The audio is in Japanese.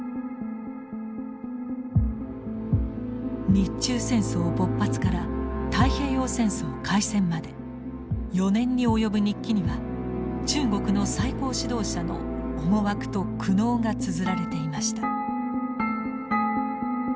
日中戦争勃発から太平洋戦争開戦まで４年におよぶ日記には中国の最高指導者の思惑と苦悩がつづられていました。